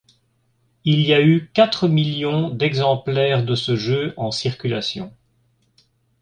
Il y a eu quatre millions d'exemplaires de ce jeu en circulation.